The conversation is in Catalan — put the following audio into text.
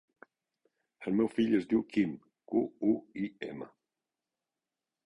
El meu fill es diu Quim: cu, u, i, ema.